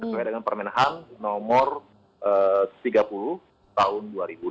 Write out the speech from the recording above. sesuai dengan permenahan nomor tiga puluh tahun dua ribu dua puluh